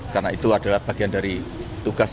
karena itu adalah bagian dari tugas